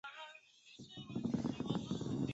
新西兰岩虾原属海螯虾科海螯虾属。